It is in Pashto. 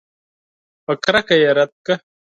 په کرکه یې رد کړه.